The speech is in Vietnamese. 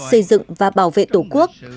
xây dựng và bảo vệ tổ quốc